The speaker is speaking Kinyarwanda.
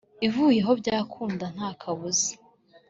ivuyeho byakunda ntakabuza